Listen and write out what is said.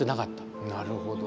なるほど。